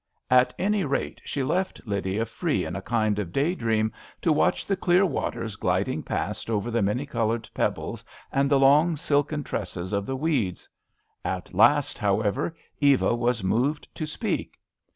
At any rate she left Lydia free in a kind of day dream to watch the clear waters gliding past over the many coloured pebbles and the long, silken tresses of the weeds. At last, however, Eva was moved to speak.